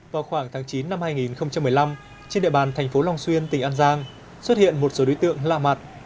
vào khoảng tháng chín năm hai nghìn một mươi năm trên địa bàn thành phố long xuyên tỉnh an giang xuất hiện một số đối tượng lạ mặt